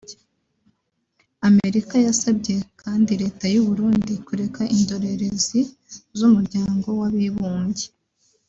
Amerika yasabye kandi leta y’u Burundi kureka indorerezi z’ Umuryango w’Abibumbye